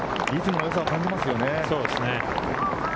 リズムの良さを感じますね。